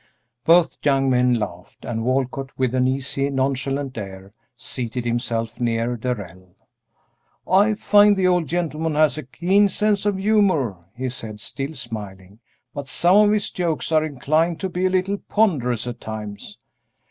Both young men laughed, and Walcott, with an easy, nonchalant air, seated himself near Darrell. "I find the old gentleman has a keen sense of humor," he said, still smiling; "but some of his jokes are inclined to be a little ponderous at times."